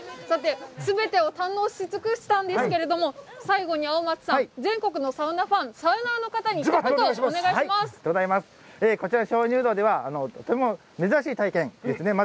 さて、全てを堪能し尽くしたんですけど、最後に青松さん、全国のサウナファン、“サウナー”の方に一言、お願いします。